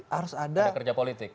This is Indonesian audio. harus ada kerja politik